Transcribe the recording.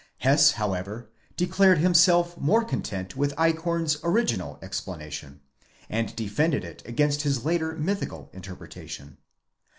Hess however declared himself more content with Eichhorn's original explanation, and defended it against his Jater mythical interpretation.